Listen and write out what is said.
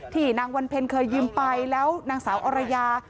ที่วัลเพนเคยยิมไปแล้วนางสาวอรรยา